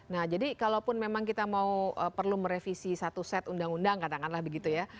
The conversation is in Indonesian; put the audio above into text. nah jadi kalaupun memang kita mau perlu merevisi satu set undang undang katakanlah begitu ya